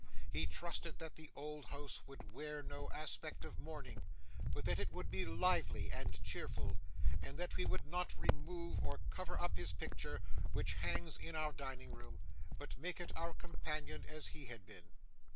He trusted that the old house would wear no aspect of mourning, but that it would be lively and cheerful; and that we would not remove or cover up his picture, which hangs in our dining room, but make it our companion as he had been.